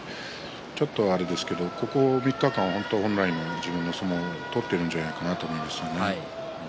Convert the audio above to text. ちょっとあれですけれどもここ３日間、また本来の自分の相撲を取ってるんじゃないかと思います。